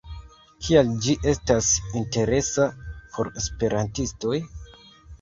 Kial ĝi estas interesa por esperantistoj?